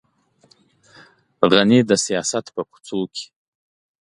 غني د سیاست په کوڅو کې.